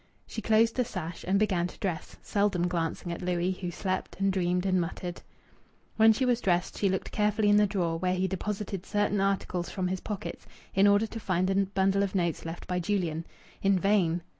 She closed the sash and began to dress, seldom glancing at Louis, who slept and dreamed and muttered. When she was dressed she looked carefully in the drawer where he deposited certain articles from his pockets, in order to find the bundle of notes left by Julian. In vain!